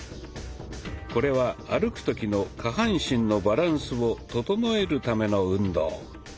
これは歩く時の下半身のバランスを整えるための運動。